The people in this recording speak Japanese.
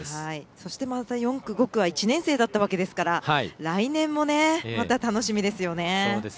そして４区、５区は１年生だったわけですから来年も、また楽しみですよね。